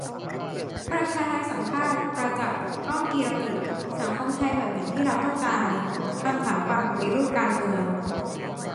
ประชาไทสัมภาษณ์ 'ประจักษ์ ก้องกีรติ' :'สังคมไทยแบบไหนที่เราต้องการ' คำถามก่อนปฏิรูปการเมือง